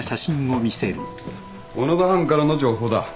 小野田班からの情報だ。